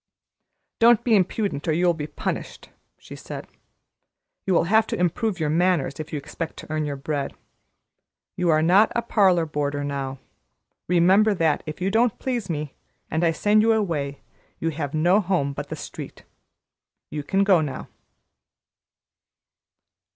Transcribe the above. "Don't be impudent, or you will be punished," she said. "You will have to improve your manners if you expect to earn your bread. You are not a parlor boarder now. Remember that if you don't please me, and I send you away, you have no home but the street. You can go now."